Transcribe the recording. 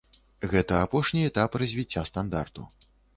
Гэта апошні этап развіцця стандарту.